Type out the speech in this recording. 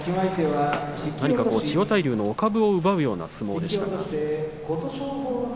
千代大龍のお株を奪うような相撲でした。